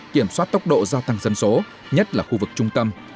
kiểm soát tốc độ gia tăng dân số nhất là khu vực trung tâm